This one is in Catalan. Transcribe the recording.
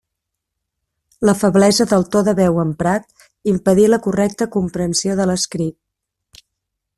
La feblesa del to de veu emprat impedí la correcta comprensió de l'escrit.